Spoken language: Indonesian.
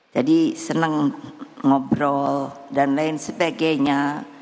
jadi senang ngobrol dan lain sebagainya